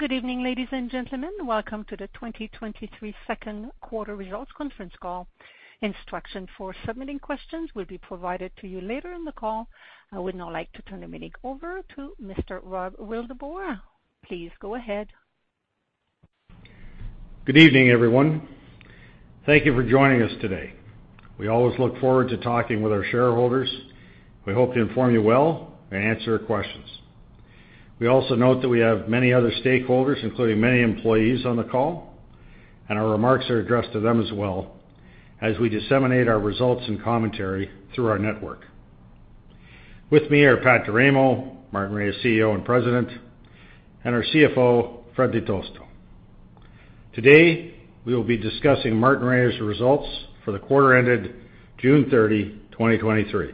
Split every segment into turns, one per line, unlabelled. Good evening, ladies and gentlemen. Welcome to the 2023 Second Quarter Results Conference Call. Instruction for submitting questions will be provided to you later in the call. I would now like to turn the meeting over to Mr. Rob Wildeboer. Please go ahead.
Good evening, everyone. Thank you for joining us today. We always look forward to talking with our shareholders. We hope to inform you well and answer your questions. We also note that we have many other stakeholders, including many employees, on the call, and our remarks are addressed to them as well as we disseminate our results and commentary through our network. With me are Pat D'Eramo, Martinrea's CEO and President, and our CFO, Fred Di Tosto. Today, we will be discussing Martinrea's results for the quarter ended June 30, 2023.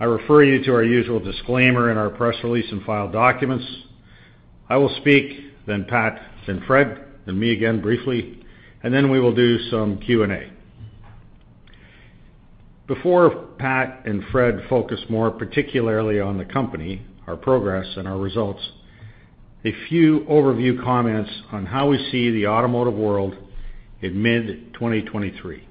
I refer you to our usual disclaimer in our press release and filed documents. I will speak, then Pat, then Fred, and me again briefly, and then we will do some Q&A. Before Pat and Fred focus more particularly on the company, our progress, and our results, a few overview comments on how we see the automotive world in mid-2023.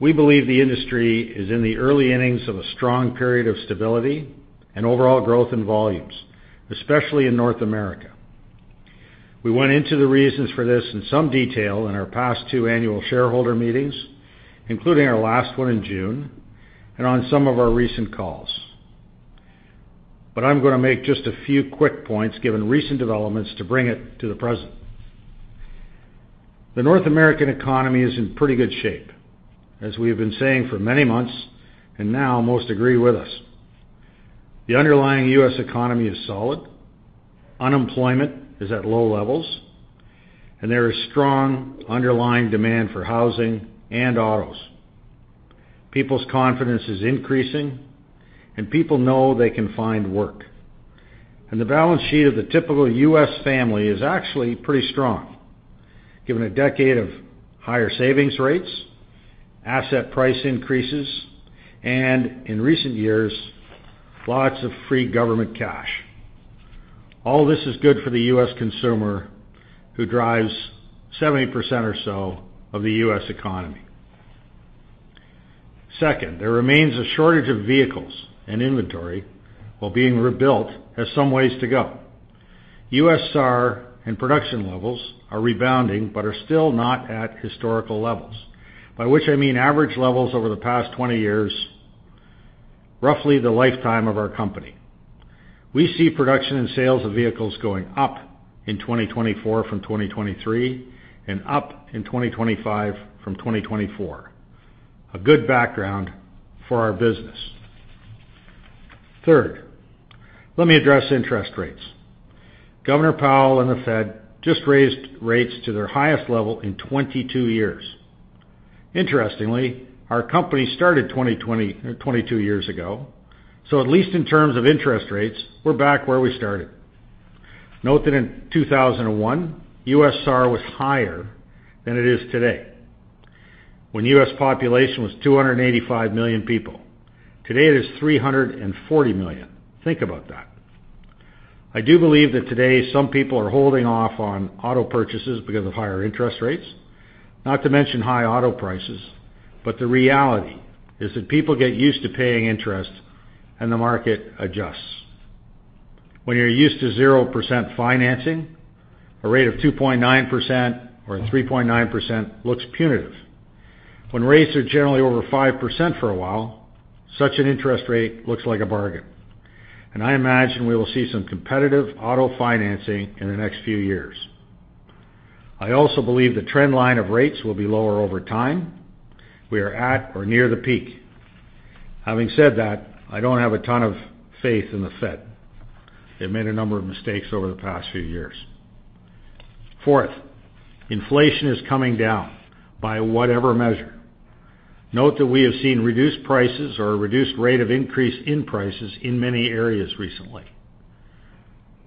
We believe the industry is in the early innings of a strong period of stability and overall growth in volumes, especially in North America. We went into the reasons for this in some detail in our past two annual shareholder meetings, including our last one in June, and on some of our recent calls. I'm gonna make just a few quick points, given recent developments, to bring it to the present. The North American economy is in pretty good shape, as we have been saying for many months, and now most agree with us. The underlying U.S. economy is solid, unemployment is at low levels, and there is strong underlying demand for housing and autos. People's confidence is increasing. People know they can find work. The balance sheet of the typical U.S. family is actually pretty strong, given a decade of higher savings rates, asset price increases, and in recent years, lots of free government cash. All this is good for the U.S. consumer, who drives 70% or so of the U.S. economy. Second, there remains a shortage of vehicles, and inventory, while being rebuilt, has some ways to go. U.S. SAR and production levels are rebounding but are still not at historical levels, by which I mean average levels over the past 20 years, roughly the lifetime of our company. We see production and sales of vehicles going up in 2024 from 2023 and up in 2025 from 2024. A good background for our business. Third, let me address interest rates. Governor Powell and the Fed just raised rates to their highest level in 22 years. Interestingly, our company started 22 years ago, so at least in terms of interest rates, we're back where we started. Note that in 2001, U.S. SAR was higher than it is today, when U.S. population was 285 million people. Today, it is 340 million. Think about that. I do believe that today some people are holding off on auto purchases because of higher interest rates, not to mention high auto prices, but the reality is that people get used to paying interest and the market adjusts. When you're used to 0% financing, a rate of 2.9% or 3.9% looks punitive. When rates are generally over 5% for a while, such an interest rate looks like a bargain, and I imagine we will see some competitive auto financing in the next few years. I also believe the trend line of rates will be lower over time. We are at or near the peak. Having said that, I don't have a ton of faith in the Fed. They made a number of mistakes over the past few years. Fourth, inflation is coming down by whatever measure. Note that we have seen reduced prices or a reduced rate of increase in prices in many areas recently.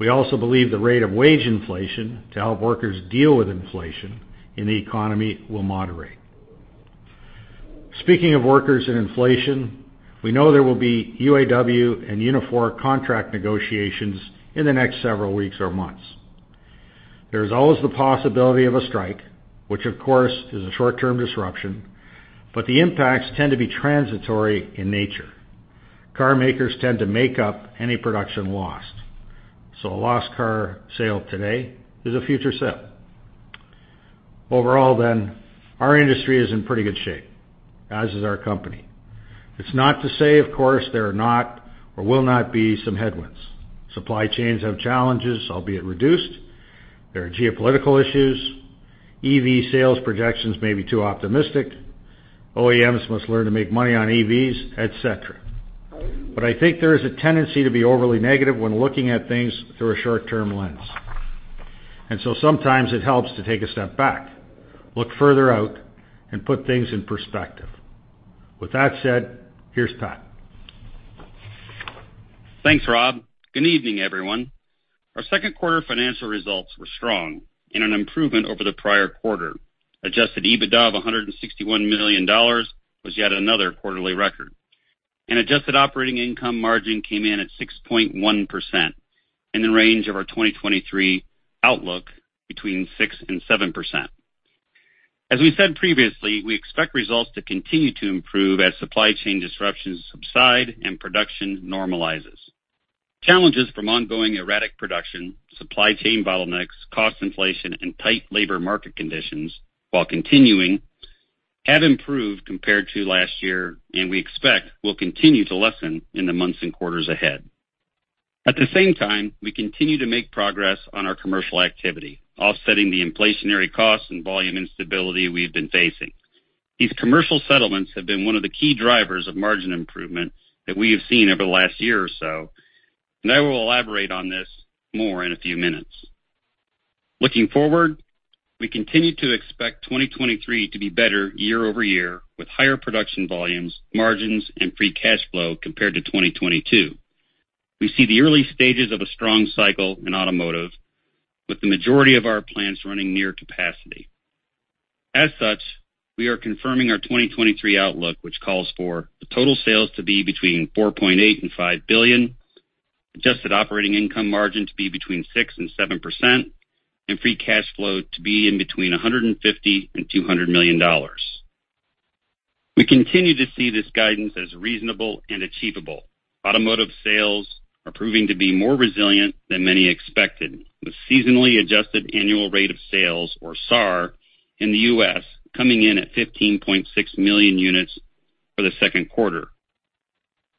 We also believe the rate of wage inflation to help workers deal with inflation in the economy will moderate. Speaking of workers and inflation, we know there will be UAW and Unifor contract negotiations in the next several weeks or months. There is always the possibility of a strike, which of course, is a short-term disruption. The impacts tend to be transitory in nature. Car makers tend to make up any production lost. A lost car sale today is a future sale. Overall then, our industry is in pretty good shape, as is our company. It's not to say, of course, there are not or will not be some headwinds. Supply chains have challenges, albeit reduced. There are geopolitical issues. EV sales projections may be too optimistic. OEMs must learn to make money on EVs, et cetera. I think there is a tendency to be overly negative when looking at things through a short-term lens. Sometimes it helps to take a step back, look further out, and put things in perspective. With that said, here's Pat.
Thanks, Rob. Good evening, everyone. Our second quarter financial results were strong in an improvement over the prior quarter. Adjusted EBITDA of $161 million was yet another quarterly record and adjusted operating income margin came in at 6.1% in the range of our 2023 outlook between 6% and 7%. As we said previously, we expect results to continue to improve as supply chain disruptions subside and production normalizes. Challenges from ongoing erratic production, supply chain bottlenecks, cost inflation, and tight labor market conditions, while continuing, have improved compared to last year and we expect will continue to lessen in the months and quarters ahead. At the same time, we continue to make progress on our commercial activity, offsetting the inflationary costs and volume instability we've been facing. These commercial settlements have been one of the key drivers of margin improvement that we have seen over the last year or so, and I will elaborate on this more in a few minutes. Looking forward, we continue to expect 2023 to be better year-over-year, with higher production volumes, margins, and free cash flow compared to 2022. We see the early stages of a strong cycle in automotive, with the majority of our plants running near capacity. As such, we are confirming our 2023 outlook, which calls for the total sales to be between $4.8 billion and $5 billion, adjusted operating income margin to be between 6% and 7%, and free cash flow to be in between $150 million and $200 million. We continue to see this guidance as reasonable and achievable. Automotive sales are proving to be more resilient than many expected, with seasonally adjusted annual rate of sales, or SAAR, in the U.S. coming in at 15.6 million units for the second quarter.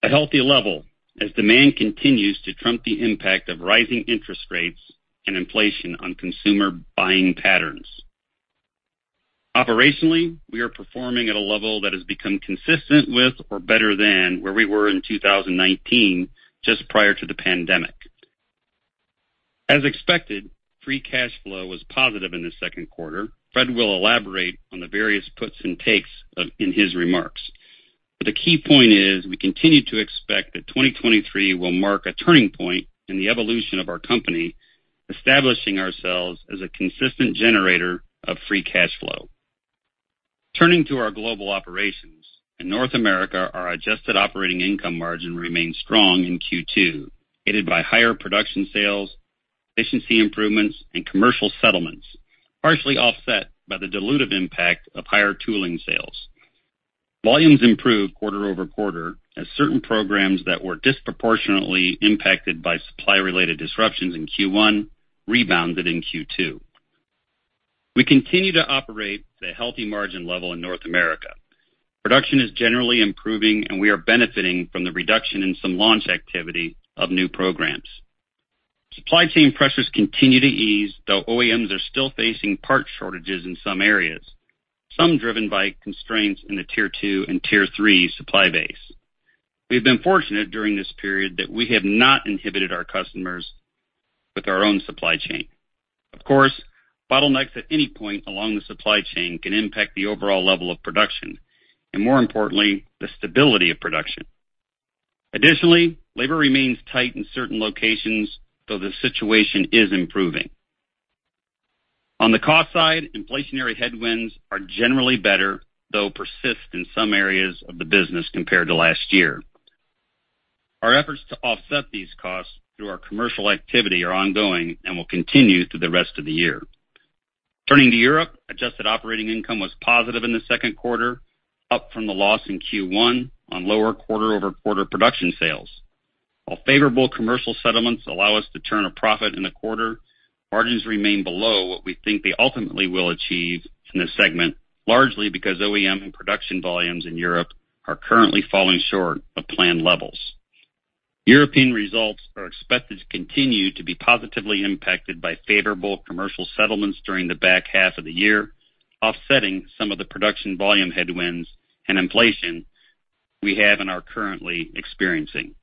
A healthy level as demand continues to trump the impact of rising interest rates and inflation on consumer buying patterns. Operationally, we are performing at a level that has become consistent with or better than where we were in 2019, just prior to the pandemic. As expected, free cash flow was positive in the second quarter. Fred will elaborate on the various puts and takes in his remarks. The key point is, we continue to expect that 2023 will mark a turning point in the evolution of our company, establishing ourselves as a consistent generator of free cash flow. Turning to our global operations. In North America, our adjusted operating income margin remained strong in Q2, aided by higher production sales, efficiency improvements and commercial settlements, partially offset by the dilutive impact of higher tooling sales. Volumes improved quarter-over-quarter, as certain programs that were disproportionately impacted by supply-related disruptions in Q1 rebounded in Q2. We continue to operate at a healthy margin level in North America. Production is generally improving, we are benefiting from the reduction in some launch activity of new programs. Supply chain pressures continue to ease, though OEMs are still facing part shortages in some areas, some driven by constraints in the Tier 2 and Tier 3 supply base. We've been fortunate during this period that we have not inhibited our customers with our own supply chain. Of course, bottlenecks at any point along the supply chain can impact the overall level of production, and more importantly, the stability of production. Additionally, labor remains tight in certain locations, though the situation is improving. On the cost side, inflationary headwinds are generally better, though persist in some areas of the business compared to last year. Our efforts to offset these costs through our commercial activity are ongoing and will continue through the rest of the year. Turning to Europe, adjusted operating income was positive in the second quarter, up from the loss in Q1 on lower quarter-over-quarter production sales. While favorable commercial settlements allow us to turn a profit in the quarter, margins remain below what we think they ultimately will achieve in this segment, largely because OEM and production volumes in Europe are currently falling short of planned levels. European results are expected to continue to be positively impacted by favorable commercial settlements during the back half of the year, offsetting some of the production volume headwinds and inflation we have and are currently experiencing.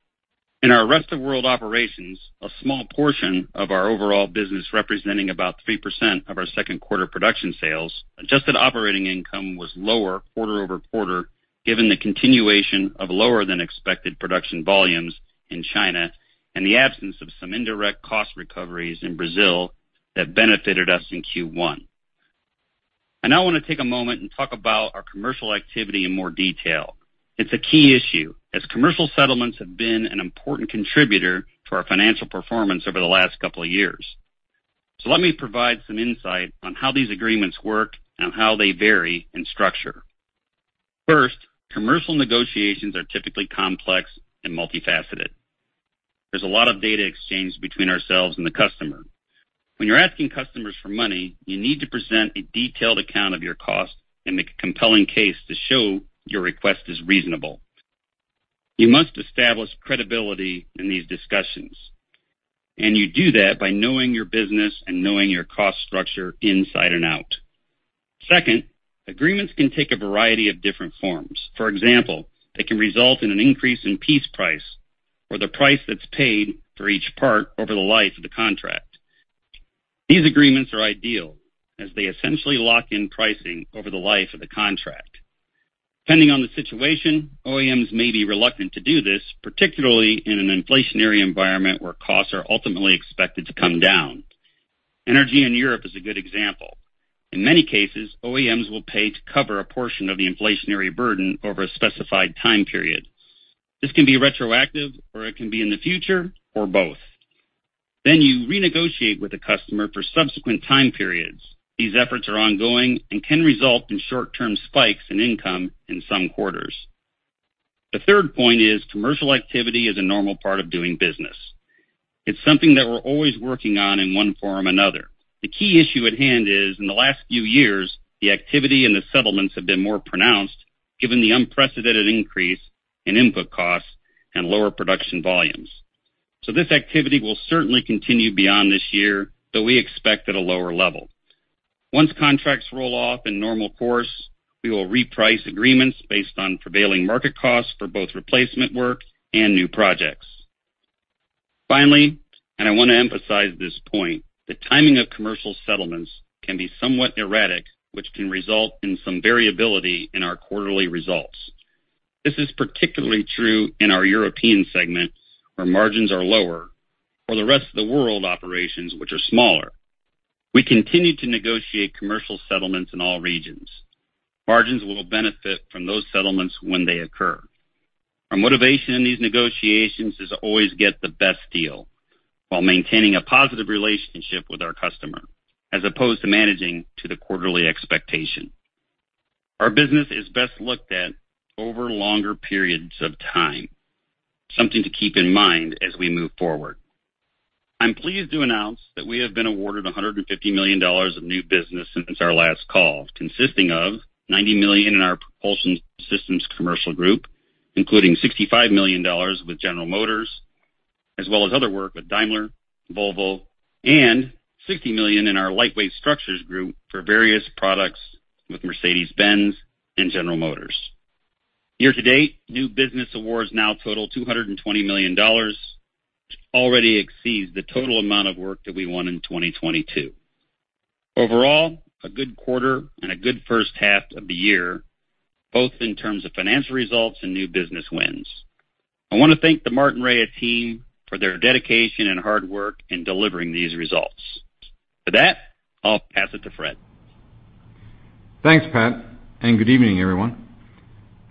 In our rest of world operations, a small portion of our overall business, representing about 3% of our second quarter production sales, adjusted operating income was lower quarter-over-quarter, given the continuation of lower-than-expected production volumes in China and the absence of some indirect cost recoveries in Brazil that benefited us in Q1. I now want to take a moment and talk about our commercial activity in more detail. It's a key issue, as commercial settlements have been an important contributor to our financial performance over the last couple of years. Let me provide some insight on how these agreements work and on how they vary in structure. First, commercial negotiations are typically complex and multifaceted. There's a lot of data exchanged between ourselves and the customer. When you're asking customers for money, you need to present a detailed account of your cost and make a compelling case to show your request is reasonable. You must establish credibility in these discussions, and you do that by knowing your business and knowing your cost structure inside and out. Second, agreements can take a variety of different forms. For example, they can result in an increase in piece price or the price that's paid for each part over the life of the contract. These agreements are ideal, as they essentially lock in pricing over the life of the contract. Depending on the situation, OEMs may be reluctant to do this, particularly in an inflationary environment where costs are ultimately expected to come down. Energy in Europe is a good example. In many cases, OEMs will pay to cover a portion of the inflationary burden over a specified time period. This can be retroactive, or it can be in the future, or both. You renegotiate with the customer for subsequent time periods. These efforts are ongoing and can result in short-term spikes in income in some quarters. The third point is commercial activity is a normal part of doing business. It's something that we're always working on in one form or another. The key issue at hand is, in the last few years, the activity and the settlements have been more pronounced, given the unprecedented increase in input costs and lower production volumes. This activity will certainly continue beyond this year, though we expect at a lower level. Once contracts roll off in normal course, we will reprice agreements based on prevailing market costs for both replacement work and new projects. Finally, I want to emphasize this point, the timing of commercial settlements can be somewhat erratic, which can result in some variability in our quarterly results. This is particularly true in our European segment, where margins are lower, or the rest of the world operations, which are smaller. We continue to negotiate commercial settlements in all regions. Margins will benefit from those settlements when they occur. Our motivation in these negotiations is to always get the best deal while maintaining a positive relationship with our customer, as opposed to managing to the quarterly expectation. Our business is best looked at over longer periods of time, something to keep in mind as we move forward. I'm pleased to announce that we have been awarded $150 million of new business since our last call, consisting of $90 million in our Propulsion Systems commercial group, including $65 million with General Motors, as well as other work with Daimler, Volvo, and $60 million in our Lightweight Structures group for various products with Mercedes-Benz and General Motors. Year to date, new business awards now total $220 million, which already exceeds the total amount of work that we won in 2022. Overall, a good quarter and a good first half of the year, both in terms of financial results and new business wins. I want to thank the Martinrea team for their dedication and hard work in delivering these results. With that, I'll pass it to Fred.
Thanks, Pat, good evening, everyone.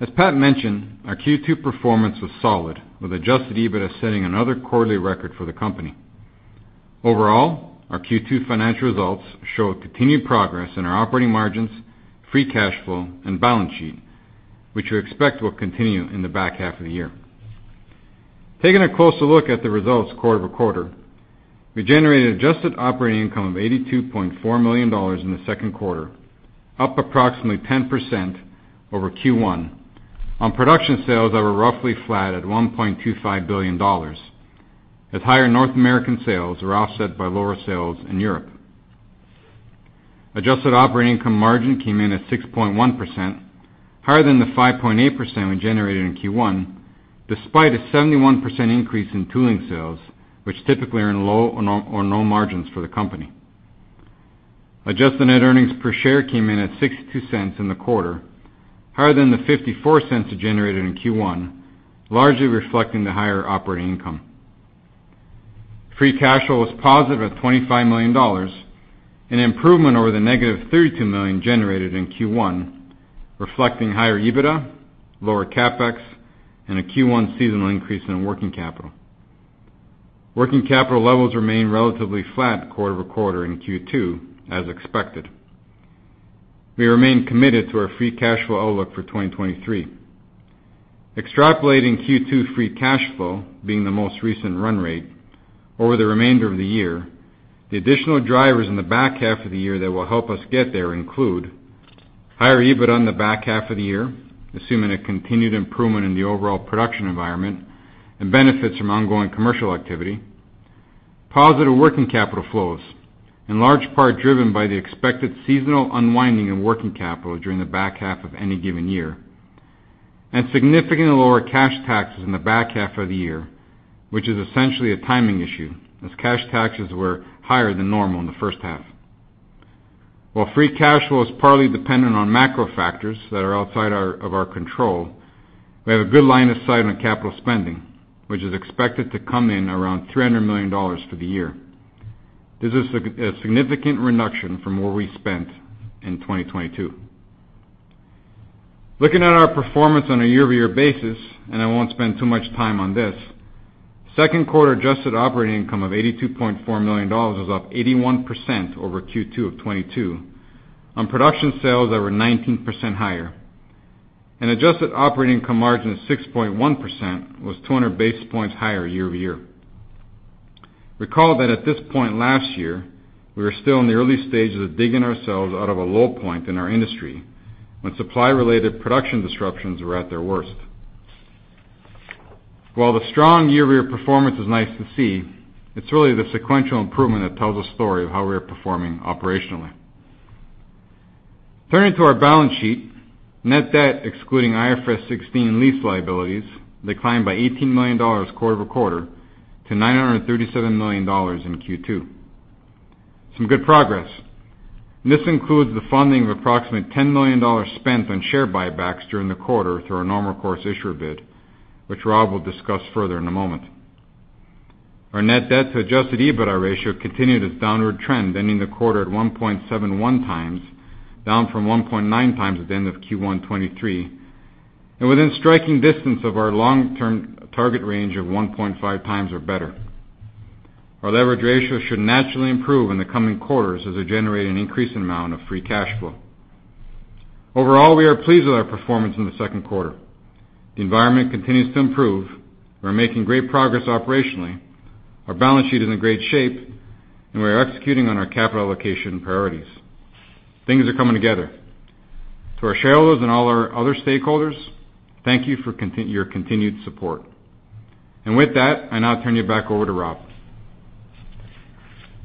As Pat mentioned, our Q2 performance was solid, with adjusted EBITDA setting another quarterly record for the company. Overall, our Q2 financial results show a continued progress in our operating margins, free cash flow, and balance sheet, which we expect will continue in the back half of the year. Taking a closer look at the results quarter-over-quarter, we generated adjusted operating income of $82.4 million in the second quarter, up approximately 10% over Q1, on production sales that were roughly flat at $1.25 billion, as higher North American sales were offset by lower sales in Europe. Adjusted operating income margin came in at 6.1%, higher than the 5.8% we generated in Q1, despite a 71% increase in tooling sales, which typically are in low or no, or no margins for the company. Adjusted net earnings per share came in at $0.62 in the quarter, higher than the $0.54 generated in Q1, largely reflecting the higher operating income. Free cash flow was positive at $25 million, an improvement over the -$32 million generated in Q1, reflecting higher EBITDA, lower CapEx, and a Q1 seasonal increase in working capital. Working capital levels remain relatively flat quarter-over-quarter in Q2, as expected. We remain committed to our free cash flow outlook for 2023. Extrapolating Q2 free cash flow being the most recent run rate over the remainder of the year, the additional drivers in the back half of the year that will help us get there include higher EBITDA in the back half of the year, assuming a continued improvement in the overall production environment and benefits from ongoing commercial activity, positive working capital flows, in large part driven by the expected seasonal unwinding in working capital during the back half of any given year, and significantly lower cash taxes in the back half of the year, which is essentially a timing issue, as cash taxes were higher than normal in the first half. While free cash flow is partly dependent on macro factors that are outside of our control, we have a good line of sight on capital spending, which is expected to come in around $300 million for the year. This is a significant reduction from what we spent in 2022. Looking at our performance on a year-over-year basis, and I won't spend too much time on this, second quarter adjusted operating income of $82.4 million was up 81% over Q2 of 2022, on production sales that were 19% higher. An adjusted operating income margin of 6.1% was 200 basis points higher year-over-year. Recall that at this point last year, we were still in the early stages of digging ourselves out of a low point in our industry, when supply-related production disruptions were at their worst. While the strong year-over-year performance is nice to see, it's really the sequential improvement that tells a story of how we are performing operationally. Turning to our balance sheet, net debt, excluding IFRS 16 lease liabilities, declined by $18 million quarter-over-quarter to $937 million in Q2. Some good progress. This includes the funding of approximately $10 million spent on share buybacks during the quarter through our Normal Course Issuer Bid, which Rob will discuss further in a moment. Our net debt-to-adjusted EBITDA ratio continued its downward trend, ending the quarter at 1.71x, down from 1.9x at the end of Q1 2023, and within striking distance of our long-term target range of 1.5x or better. Our leverage ratio should naturally improve in the coming quarters as we generate an increasing amount of free cash flow. Overall, we are pleased with our performance in the second quarter. The environment continues to improve. We're making great progress operationally. Our balance sheet is in great shape, and we are executing on our capital allocation priorities. Things are coming together. To our shareholders and all our other stakeholders, thank you for your continued support. With that, I now turn you back over to Rob.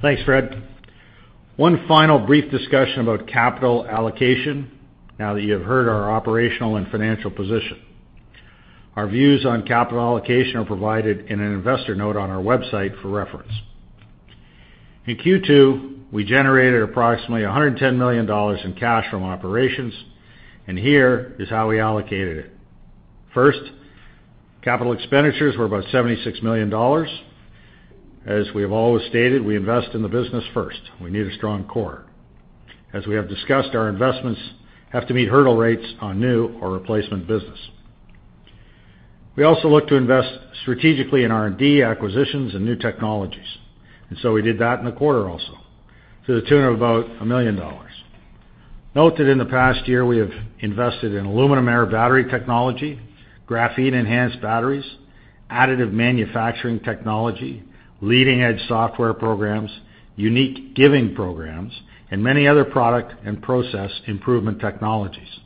Thanks, Fred. One final brief discussion about capital allocation now that you have heard our operational and financial position. Our views on capital allocation are provided in an investor note on our website for reference. In Q2, we generated approximately $110 million in cash from operations, and here is how we allocated it. First, capital expenditures were about $76 million. As we have always stated, we invest in the business first. We need a strong core. As we have discussed, our investments have to meet hurdle rates on new or replacement business. We also look to invest strategically in R&D, acquisitions, and new technologies, and so we did that in the quarter also, to the tune of about $1 million. Note that in the past year, we have invested in aluminum-air battery technology, graphene-enhanced batteries, additive manufacturing technology, leading-edge software programs, unique giving programs, and many other product and process improvement technologies.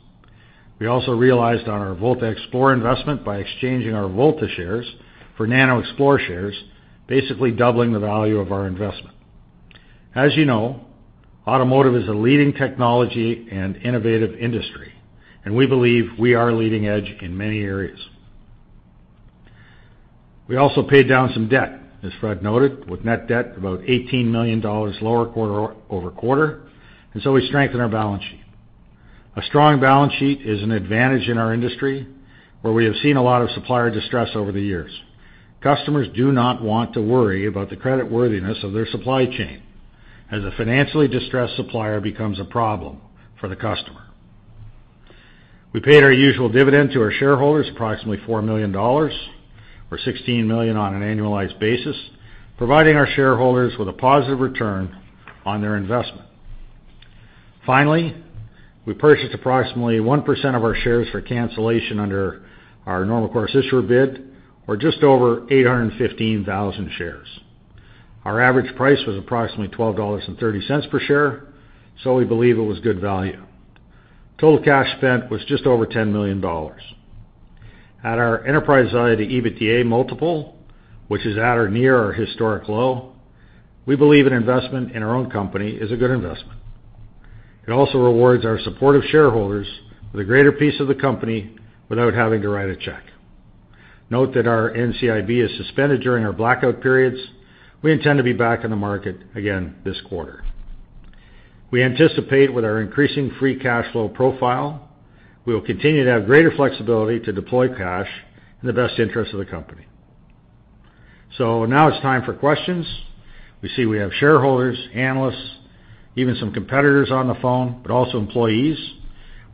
We also realized on our VoltaXplore investment by exchanging our Volta shares for NanoXplore shares, basically doubling the value of our investment. As you know, automotive is a leading technology and innovative industry, we believe we are leading edge in many areas. We also paid down some debt, as Fred noted, with net debt about $18 million lower quarter-over-quarter, we strengthened our balance sheet. A strong balance sheet is an advantage in our industry, where we have seen a lot of supplier distress over the years. Customers do not want to worry about the creditworthiness of their supply chain, as a financially distressed supplier becomes a problem for the customer. We paid our usual dividend to our shareholders, approximately 4 million dollars, or 16 million on an annualized basis, providing our shareholders with a positive return on their investment. Finally, we purchased approximately 1% of our shares for cancellation under our Normal Course Issuer Bid, or just over 815,000 shares. Our average price was approximately 12.30 dollars per share, so we believe it was good value. Total cash spent was just over 10 million dollars. At our enterprise value-to-EBITDA multiple, which is at or near our historic low, we believe an investment in our own company is a good investment. It also rewards our supportive shareholders with a greater piece of the company without having to write a check. Note that our NCIB is suspended during our blackout periods. We intend to be back in the market again this quarter. We anticipate with our increasing free cash flow profile, we will continue to have greater flexibility to deploy cash in the best interest of the company. Now it's time for questions. We see we have shareholders, analysts, even some competitors on the phone, but also employees.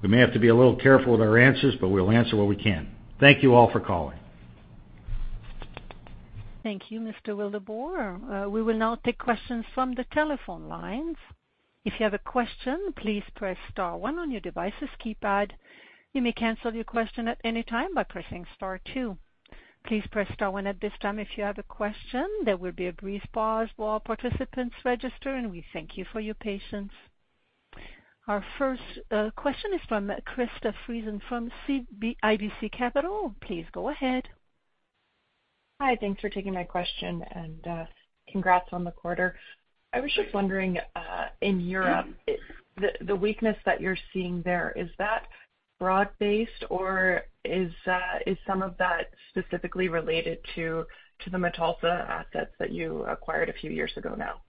We may have to be a little careful with our answers, but we'll answer what we can. Thank you all for calling.
Thank you, Mr. Wildeboer. We will now take questions from the telephone lines. If you have a question, please press star one on your devices' keypad. You may cancel your question at any time by pressing star two. Please press star one at this time if you have a question. There will be a brief pause while participants register, and we thank you for your patience. Our first question is from Krista Friesen from CIBC Capital Markets. Please go ahead.
Hi, thanks for taking my question, and congrats on the quarter. I was just wondering, in Europe, the weakness that you're seeing there, is that broad-based, or is some of that specifically related to the Metalsa assets that you acquired a few years ago now?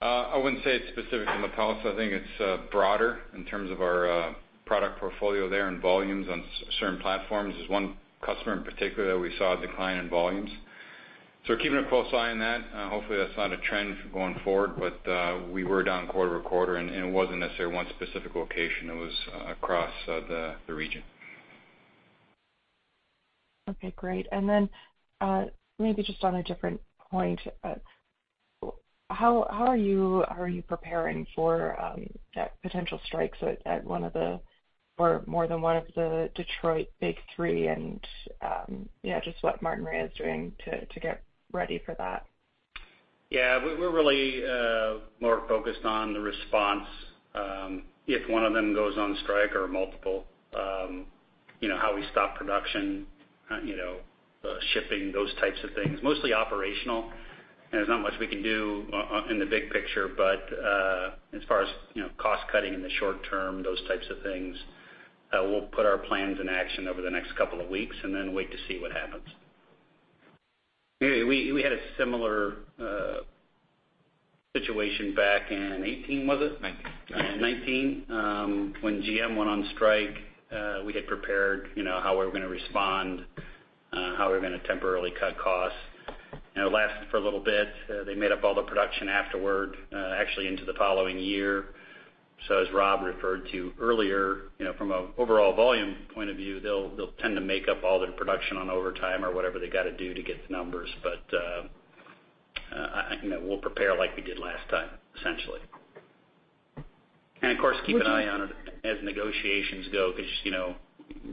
I wouldn't say it's specific to Metalsa. I think it's broader in terms of our product portfolio there and volumes on certain platforms. There's one customer in particular that we saw a decline in volumes. We're keeping a close eye on that. Hopefully, that's not a trend going forward, but we were down quarter-over-quarter, and it wasn't necessarily one specific location. It was across the region.
Okay, great. Maybe just on a different point, how are you preparing for potential strikes at one of the or more than one of the Detroit Big Three? Yeah, just what Martinrea is doing to get ready for that.
Yeah, we're really more focused on the response, if one of them goes on strike or multiple, you know, how we stop production, you know, shipping, those types of things, mostly operational. There's not much we can do in the big picture, but, as far as, you know, cost-cutting in the short term, those types of things, we'll put our plans in action over the next couple of weeks and then wait to see what happens.
We, we, we had a similar situation back in 2018, was it?
'19.
2019, when GM went on strike, we had prepared, you know, how we were gonna respond, how we were gonna temporarily cut costs. It lasted for a little bit. They made up all the production afterward, actually into the following year. As Rob referred to earlier, you know, from an overall volume point of view, they'll, they'll tend to make up all their production on overtime or whatever they gotta do to get the numbers. I, I, you know, we'll prepare like we did last time, essentially. Of course, keep an eye on it as negotiations go, because, you know,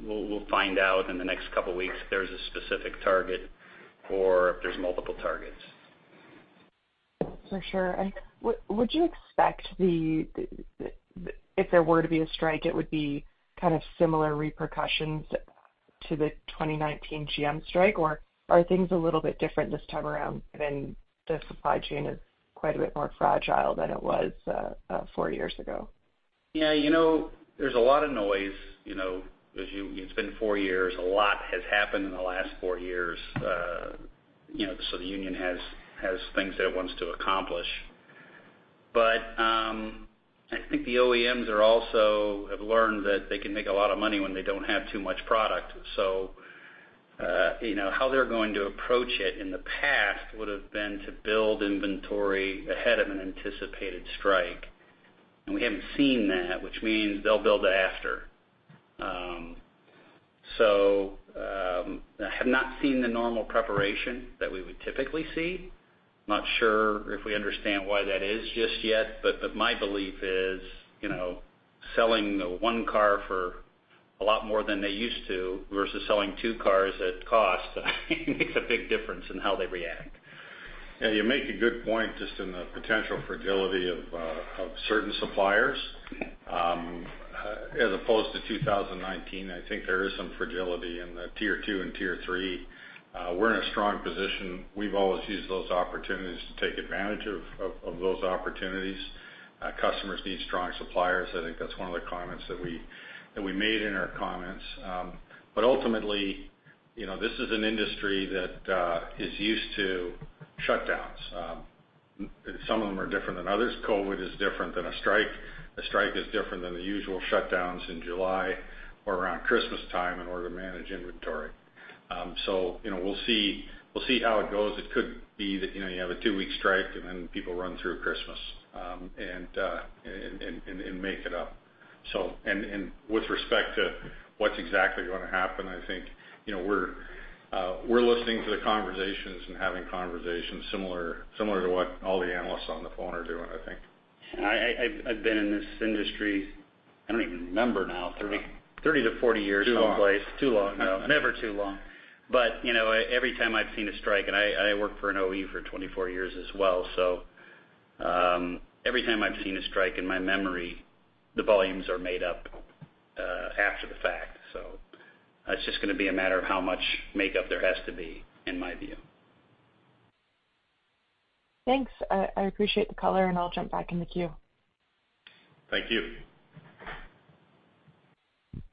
we'll, we'll find out in the next couple of weeks if there's a specific target or if there's multiple targets.
For sure. Would you expect the, if there were to be a strike, it would be kind of similar repercussions to the 2019 GM strike, or are things a little bit different this time around, and the supply chain is quite a bit more fragile than it was, four years ago?
Yeah, you know, there's a lot of noise, you know, as you, It's been four years. A lot has happened in the last four years. You know, the union has, has things that it wants to accomplish. I think the OEMs are also, have learned that they can make a lot of money when they don't have too much product. You know, how they're going to approach it in the past would have been to build inventory ahead of an anticipated strike. We haven't seen that, which means they'll build after. I have not seen the normal preparation that we would typically see. Not sure if we understand why that is just yet, but my belief is, you know, selling 1 car for a lot more than they used to versus selling two cars at cost, makes a big difference in how they react.
Yeah, you make a good point just in the potential fragility of certain suppliers. As opposed to 2019, I think there is some fragility in the Tier 2 and Tier 3. We're in a strong position. We've always used those opportunities to take advantage of, of, of those opportunities. Customers need strong suppliers. I think that's one of the comments that we, that we made in our comments. Ultimately, you know, this is an industry that is used to shutdowns. Some of them are different than others. COVID is different than a strike. A strike is different than the usual shutdowns in July or around Christmas time in order to manage inventory. You know, we'll see, we'll see how it goes. It could be that, you know, you have a two-week strike, and then people run through Christmas, and make it up. With respect to what's exactly gonna happen, I think, you know, we're listening to the conversations and having conversations similar to what all the analysts on the phone are doing, I think.
I've been in this industry, I don't even remember now, 30-40 years someplace.
Too long.
Too long, though.
Never too long.
You know, every time I've seen a strike, and I, I worked for an OE for 24 years as well, so, every time I've seen a strike in my memory, the volumes are made up after the fact. It's just gonna be a matter of how much make-up there has to be, in my view.
Thanks. I, I appreciate the color, and I'll jump back in the queue.
Thank you.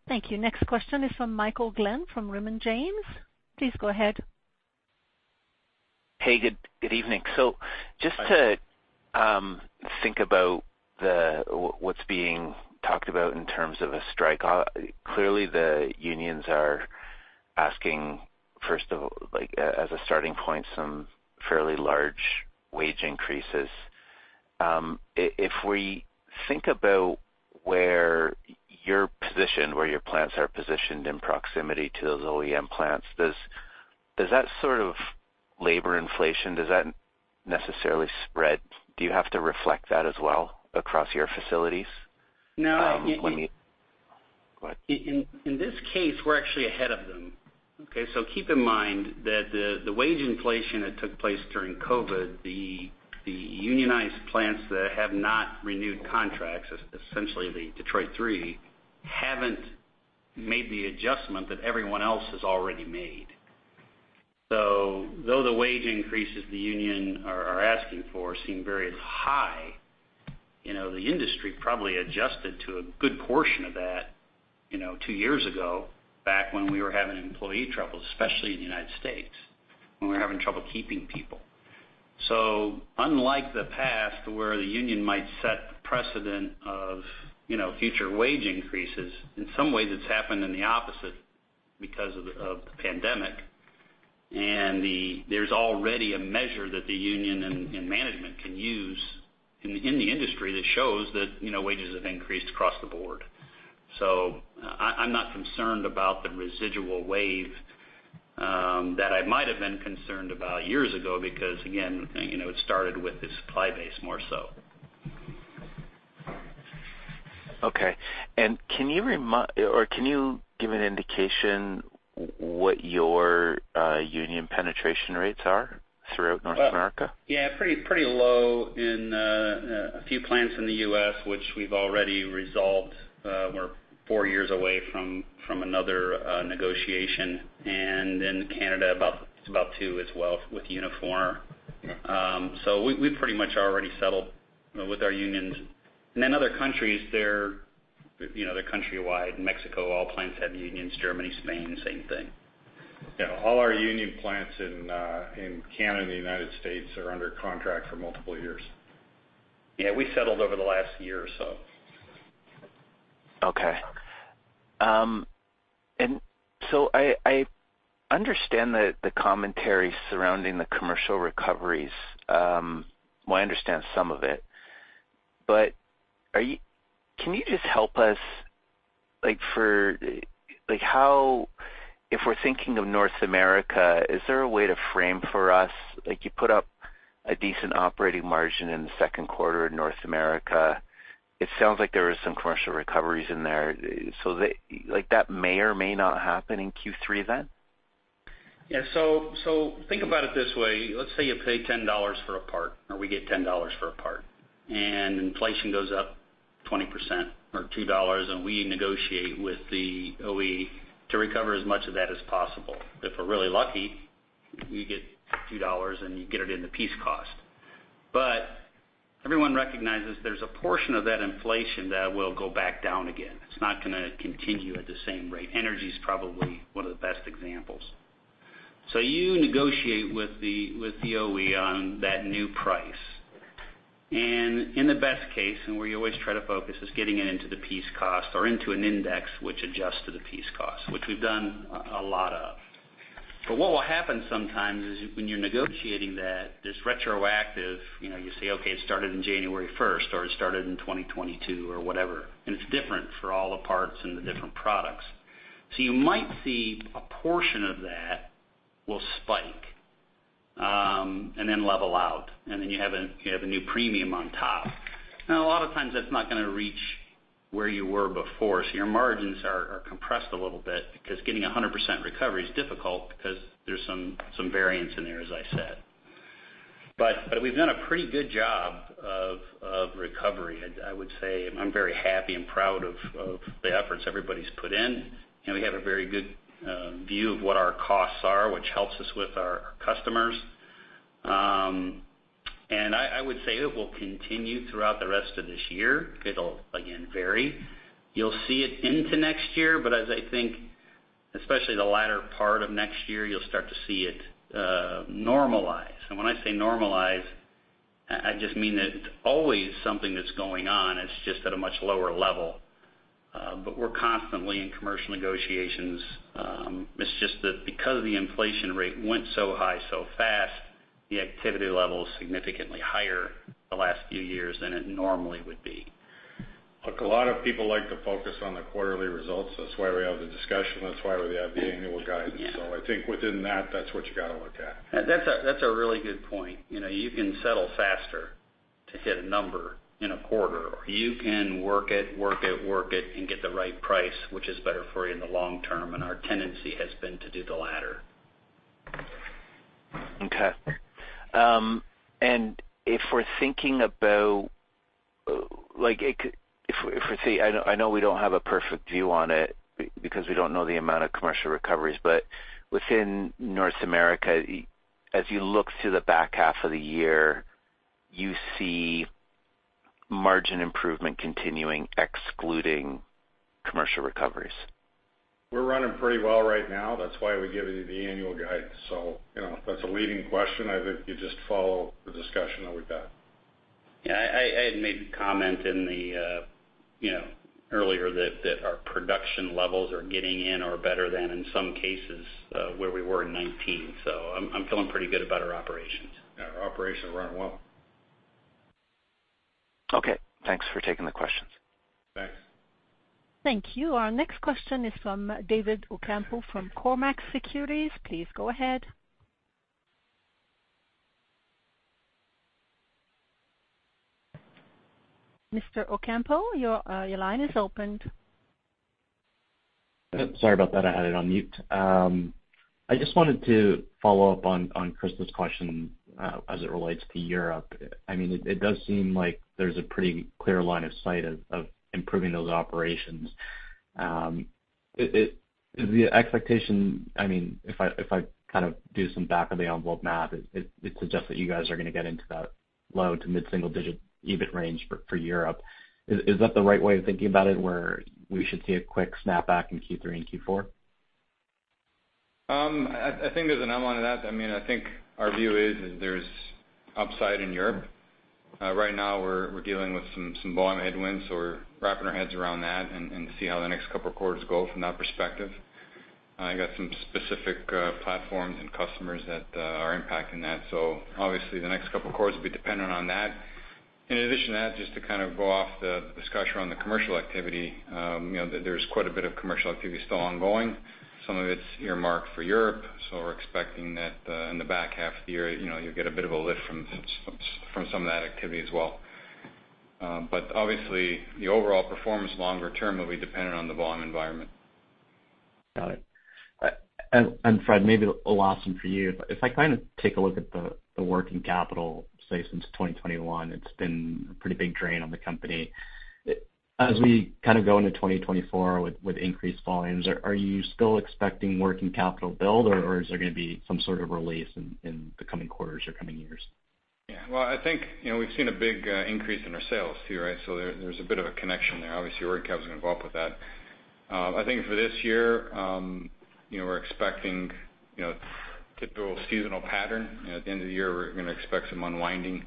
Thank you. Next question is from Michael Glen, from Raymond James. Please go ahead.
Hey, good, good evening. Just to think about the, what, what's being talked about in terms of a strike, clearly, the unions are asking, first of all, like, as a starting point, some fairly large wage increases. If, if we think about where your position, where your plants are positioned in proximity to those OEM plants, does, does that sort of labor inflation, does that necessarily spread? Do you have to reflect that as well across your facilities?
No.
When you. Go ahead.
In this case, we're actually ahead of them, okay? Keep in mind that the wage inflation that took place during COVID, the unionized plants that have not renewed contracts, essentially the Detroit Three, haven't made the adjustment that everyone else has already made. Though the wage increases the unions are asking for seem very high, you know, the industry probably adjusted to a good portion of that, you know, two years ago, back when we were having employee troubles, especially in the United States, when we were having trouble keeping people. Unlike the past, where the union might set the precedent of, you know, future wage increases, in some ways, it's happened in the opposite because of the pandemic. There's already a measure that the unions and, and management can use in, in the industry that shows that, you know, wages have increased across the board. I, I'm not concerned about the residual wage, that I might have been concerned about years ago, because, again, you know, it started with the supply base, more so.
Okay. Can you remind, or can you give an indication what your union penetration rates are throughout North America?
Yeah, pretty, pretty low in, a few plants in the U.S., which we've already resolved. We're four years away from, from another, negotiation. In Canada, it's about 2 as well with Unifor. We, we've pretty much already settled with our unions. In other countries, the, you know, the country-wide, Mexico, all plants have unions, Germany, Spain, same thing.
Yeah, all our union plants in Canada and the United States are under contract for multiple years.
Yeah, we settled over the last year or so.
Okay. So I, I understand the, the commentary surrounding the commercial recoveries. Well, I understand some of it, but can you just help us, like, for, like, if we're thinking of North America, is there a way to frame for us? Like, you put up a decent operating margin in the second quarter in North America. It sounds like there was some commercial recoveries in there. They, like, that may or may not happen in Q3, then?
Yeah. So think about it this way: Let's say you pay $10 for a part, or we get $10 for a part, and inflation goes up 20% or $2, and we negotiate with the OE to recover as much of that as possible. If we're really lucky, we get $2, and you get it in the piece cost. Everyone recognizes there's a portion of that inflation that will go back down again. It's not gonna continue at the same rate. Energy is probably one of the best examples. You negotiate with the OE on that new price. In the best case, and where you always try to focus, is getting it into the piece cost or into an index which adjusts to the piece cost, which we've done a lot of. What will happen sometimes is when you're negotiating that, this retroactive, you know, you say, okay, it started in January 1st, or it started in 2022, or whatever, and it's different for all the parts and the different products. You might see a portion of that will spike, and then level out, and then you have a, you have a new premium on top. A lot of times that's not gonna reach where you were before, so your margins are, are compressed a little bit because getting 100% recovery is difficult because there's some, some variance in there, as I said. We've done a pretty good job of, of recovery. I'd, I would say I'm very happy and proud of, of the efforts everybody's put in, and we have a very good view of what our costs are, which helps us with our customers. I, I would say it will continue throughout the rest of this year. It'll again, vary. You'll see it into next year, but as I think, especially the latter part of next year, you'll start to see it normalize. When I say normalize, I, I just mean that it's always something that's going on. It's just at a much lower level, but we're constantly in commercial negotiations. It's just that because the inflation rate went so high, so fast, the activity level is significantly higher the last few years than it normally would be.
Look, a lot of people like to focus on the quarterly results. That's why we have the discussion. That's why we have the annual guidance.
Yeah.
I think within that, that's what you got to look at.
That's a really good point. You know, you can settle faster to hit a number in a quarter. You can work it, work it, work it, and get the right price, which is better for you in the long term, and our tendency has been to do the latter.
Okay. if we're thinking about, if we see, I know, I know we don't have a perfect view on it, because we don't know the amount of commercial recoveries, but within North America, as you look to the back half of the year, you see margin improvement continuing, excluding commercial recoveries.
We're running pretty well right now. That's why we give you the annual guidance. You know, that's a leading question. I think you just follow the discussion that we've got.
Yeah, I, I, I had made a comment in the, you know, earlier that, that our production levels are getting in or better than in some cases, where we were in 2019. I'm, I'm feeling pretty good about our operations.
Yeah, our operations are running well.
Okay, thanks for taking the questions.
Thanks.
Thank you. Our next question is from David Ocampo from Cormark Securities. Please go ahead. Mr. Ocampo, your, your line is opened.
Sorry about that. I had it on mute. I just wanted to follow up on Chris's question, as it relates to Europe. I mean, it, it does seem like there's a pretty clear line of sight of, of improving those operations. The expectation, I mean, if I, if I kind of do some back of the envelope math, it, it, it suggests that you guys are gonna get into that low to mid-single digit EBIT range for, for Europe. Is, is that the right way of thinking about it, where we should see a quick snapback in Q3 and Q4?
I, I think there's a nuance to that. I mean, I think our view is, is there's upside in Europe. Right now, we're, we're dealing with some, some volume headwinds, so we're wrapping our heads around that and, and see how the next couple of quarters go from that perspective. I got some specific platforms and customers that are impacting that. Obviously, the next couple of quarters will be dependent on that. In addition to that, just to kind of go off the discussion around the commercial activity, you know, there's quite a bit of commercial activity still ongoing. Some of it's earmarked for Europe, so we're expecting that, in the back half of the year, you know, you'll get a bit of a lift from some of that activity as well. Obviously, the overall performance longer term will be dependent on the volume environment.
Got it. And, and Fred, maybe the last one for you. If I kind of take a look at the, the working capital, say, since 2021, it's been a pretty big drain on the company. As we kind of go into 2024 with, with increased volumes, are, are you still expecting working capital build, or, or is there gonna be some sort of release in, in the coming quarters or coming years?
Yeah. Well, I think, you know, we've seen a big increase in our sales too, right? There's a bit of a connection there. Obviously, working capital is involved with that. I think for this year, you know, we're expecting, you know, typical seasonal pattern. At the end of the year, we're gonna expect some unwinding,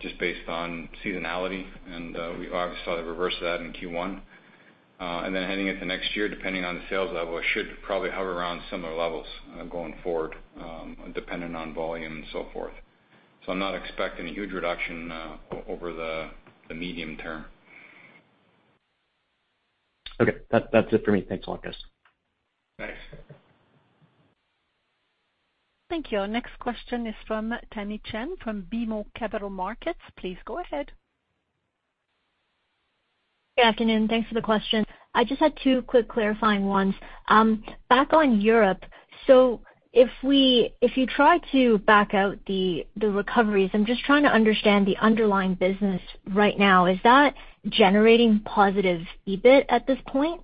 just based on seasonality, and we obviously saw the reverse of that in Q1. Heading into next year, depending on the sales level, it should probably hover around similar levels going forward, dependent on volume and so forth. I'm not expecting a huge reduction over the medium term.
Okay. That, that's it for me. Thanks a lot, guys.
Thanks.
Thank you. Our next question is from Tamy Chen from BMO Capital Markets. Please go ahead.
Good afternoon. Thanks for the question. I just had 2 quick clarifying ones. Back on Europe, if you try to back out the recoveries, I'm just trying to understand the underlying business right now. Is that generating positive EBIT at this point?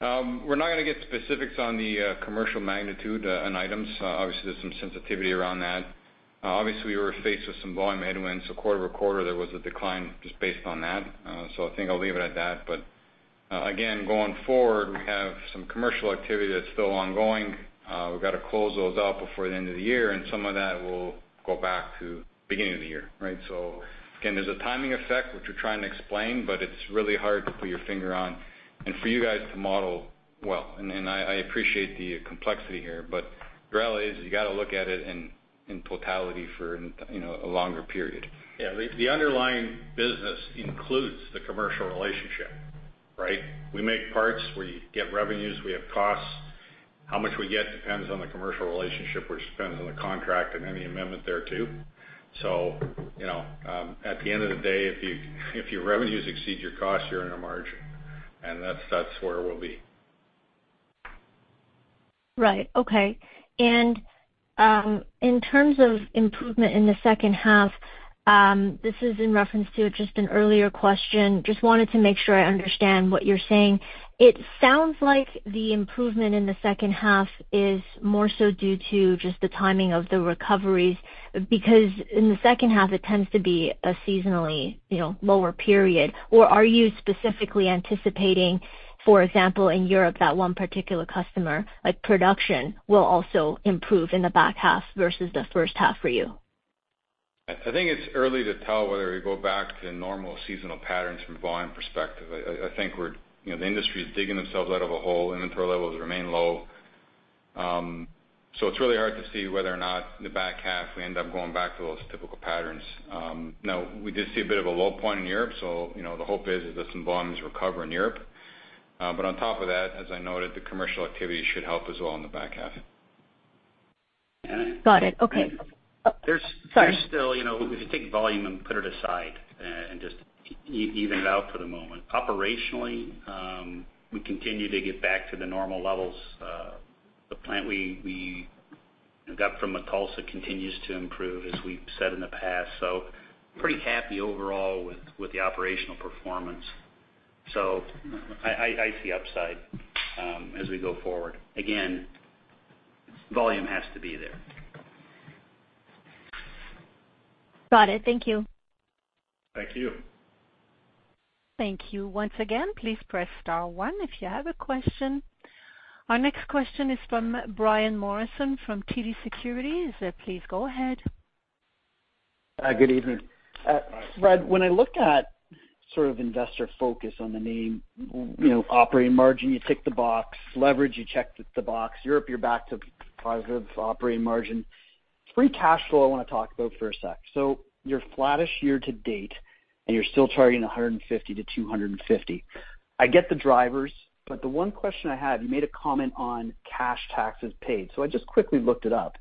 We're not gonna get specifics on the commercial magnitude and items. Obviously, there's some sensitivity around that. Obviously, we were faced with some volume headwinds, so quarter-over-quarter, there was a decline just based on that. I think I'll leave it at that. Again, going forward, we have some commercial activity that's still ongoing. We've got to close those out before the end of the year, and some of that will go back to beginning of the year, right? Again, there's a timing effect, which we're trying to explain, but it's really hard to put your finger on and for you guys to model well. I appreciate the complexity here, but the reality is, you got to look at it in, in totality for, you know, a longer period.
Yeah, the underlying business includes the commercial relationship, right? We make parts, we get revenues, we have costs. How much we get depends on the commercial relationship, which depends on the contract and any amendment thereto. You know, at the end of the day, if your revenues exceed your costs, you're in a margin, and that's, that's where we'll be.
Right. Okay. In terms of improvement in the second half, this is in reference to just an earlier question. Just wanted to make sure I understand what you're saying. It sounds like the improvement in the second half is more so due to just the timing of the recoveries, because in the second half, it tends to be a seasonally, you know, lower period. Or are you specifically anticipating, for example, in Europe, that one particular customer, like production, will also improve in the back half versus the first half for you?
I, I think it's early to tell whether we go back to normal seasonal patterns from a volume perspective. I, I think we're you know, the industry is digging themselves out of a hole. Inventory levels remain low. It's really hard to see whether or not in the back half we end up going back to those typical patterns. Now, we did see a bit of a low point in Europe, so you know, the hope is that some volumes recover in Europe. On top of that, as I noted, the commercial activity should help as well in the back half.
Got it. Okay.
And.
Oh, sorry.
There's, there's still, you know, if you take volume and put it aside, and just even it out for the moment. Operationally, we continue to get back to the normal levels. The plant we, we got from Autoliv continues to improve, as we've said in the past, so pretty happy overall with, with the operational performance. I, I, I see upside, as we go forward. Again, volume has to be there.
Got it. Thank you.
Thank you.
Thank you. Once again, please press star one if you have a question. Our next question is from Brian Morrison from TD Securities. Please go ahead.
Hi, good evening.
Hi.
Fred, when I look at sort of investor focus on the name, you know, operating margin, you tick the box. Leverage, you check the box. Europe, you're back to positive operating margin. Free cash flow, I want to talk about for a sec. you're flattish year to date, and you're still targeting $150-$250. I get the drivers. The one question I had, you made a comment on cash taxes paid. I just quickly looked it up.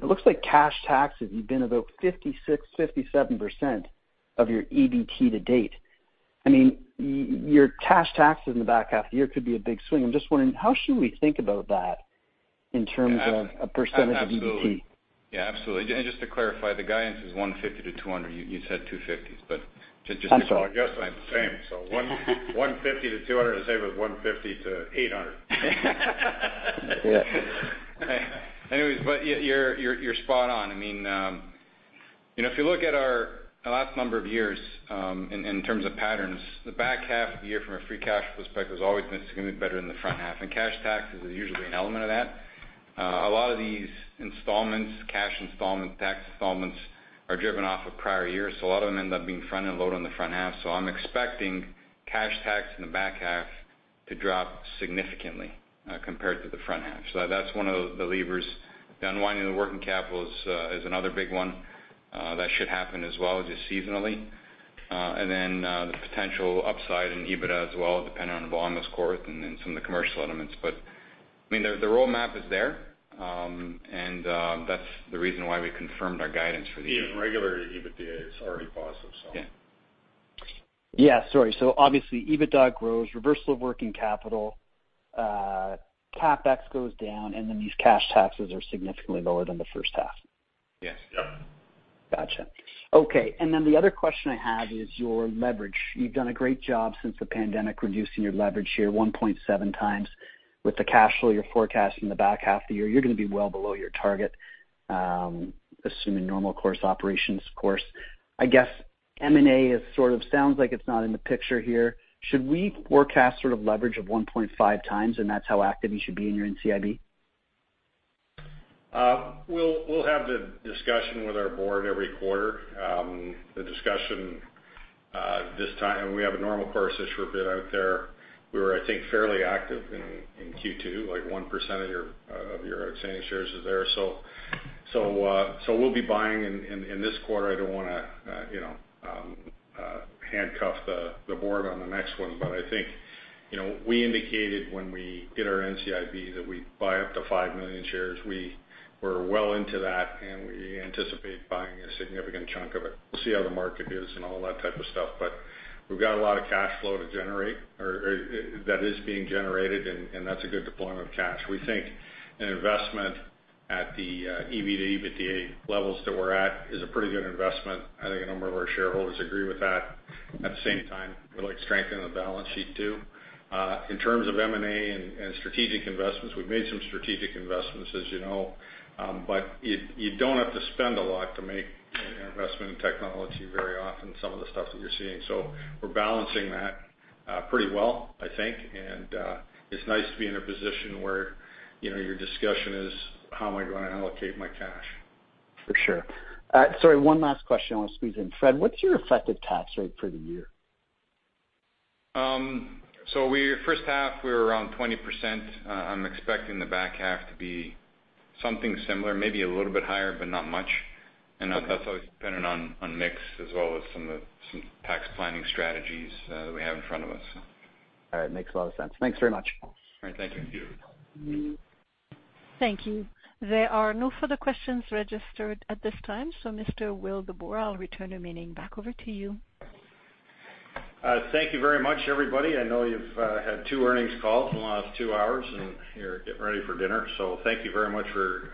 It looks like cash taxes, you've been about 56%-57% of your EBT to date. I mean, your cash taxes in the back half of the year could be a big swing. I'm just wondering, how should we think about that in terms of a percentage of EBT?
Yeah, absolutely. just to clarify, the guidance is $150-$200. You said $250, but just.
I'm sorry.
Just the same. 150-200, the same as 150-800.
Yeah.
Anyways, yeah, you're, you're, you're spot on. I mean, you know, if you look at our last number of years, in, in terms of patterns, the back half of the year from a free cash flow perspective, has always been significantly better than the front half, and cash taxes is usually an element of that. A lot of these installments, cash installments, tax installments, are driven off of prior years, so a lot of them end up being front-end load on the front half. I'm expecting cash tax in the back half to drop significantly, compared to the front half. That's one of the levers. The unwinding of the working capital is, is another big one, that should happen as well, just seasonally. The potential upside in EBITDA as well, depending on the volumes course and then some of the commercial elements. I mean, the, the roadmap is there, and that's the reason why we confirmed our guidance for the year.
Even regular EBITDA is already positive, so.
Yeah.
Yeah, sorry. Obviously, EBITDA grows, reversal of working capital, CapEx goes down, and then these cash taxes are significantly lower than the first half.
Yes.
Yep.
Gotcha. Okay, then the other question I have is your leverage. You've done a great job since the pandemic, reducing your leverage here 1.7x. With the cash flow you're forecasting in the back half of the year, you're going to be well below your target, assuming normal course operations, of course. I guess M&A is sort of sounds like it's not in the picture here. Should we forecast sort of leverage of 1.5x, and that's how active you should be in your NCIB?
We'll, we'll have the discussion with our board every quarter. The discussion this time, we have a Normal Course Issuer Bid out there. We were, I think, fairly active in Q2, like 1% of your outstanding shares is there. So, so, we'll be buying in this quarter. I don't want to, you know, handcuff the board on the next one, but I think, you know, we indicated when we did our NCIB that we'd buy up to 5 million shares. We're well into that. We anticipate buying a significant chunk of it. We'll see how the market is and all that type of stuff, but we've got a lot of cash flow to generate or that is being generated, and that's a good deployment of cash. We think an investment at the EBITDA, EBITDA levels that we're at is a pretty good investment. I think a number of our shareholders agree with that. At the same time, we like strengthening the balance sheet, too. In terms of M&A and, and strategic investments, we've made some strategic investments, as you know, but you, you don't have to spend a lot to make an investment in technology very often, some of the stuff that you're seeing. We're balancing that pretty well, I think. It's nice to be in a position where, you know, your discussion is, how am I going to allocate my cash?
For sure. Sorry, one last question I want to squeeze in. Fred, what's your effective tax rate for the year?
We, first half, we were around 20%. I'm expecting the back half to be something similar, maybe a little bit higher, but not much. That's always dependent on, on mix as well as some of the, some tax planning strategies that we have in front of us.
All right. Makes a lot of sense. Thanks very much.
All right. Thank you.
Thank you.
Thank you. There are no further questions registered at this time. Mr. Rob Wildeboer, I'll return the meeting back over to you.
Thank you very much, everybody. I know you've had two earnings calls in the last two hours, and you're getting ready for dinner. Thank you very much for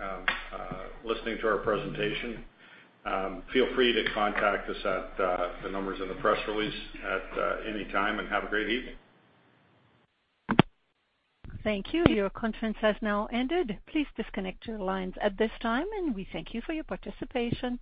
listening to our presentation. Feel free to contact us at the numbers in the press release at any time, and have a great evening.
Thank you. Your conference has now ended. Please disconnect your lines at this time, and we thank you for your participation.